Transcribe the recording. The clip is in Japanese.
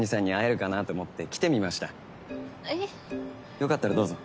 良かったらどうぞ。